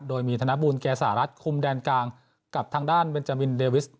โดยมีธนบูรณ์แก่สหรัฐคุมแดนกลางกับทางด้านเดวิส